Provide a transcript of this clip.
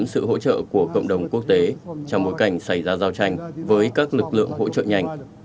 động thái được xem như nỗ lực tìm kiếm sự hỗ trợ của cộng đồng quốc tế trong bối cảnh xảy ra giao tranh với các lực lượng hỗ trợ nhanh